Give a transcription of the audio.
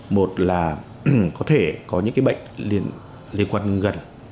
một là có thể có những cái bệnh liên quan gần